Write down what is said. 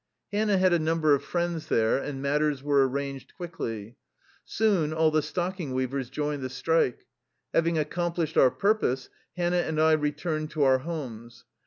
Hannah had a number of friends there and matters were arranged quickly. Soon all the stocking weavers joined the strike. Having ac complished our purpose, Hannah and I returned to our homes.